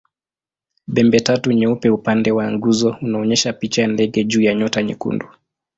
Pembetatu nyeupe upande wa nguzo unaonyesha picha ya ndege juu ya nyota nyekundu.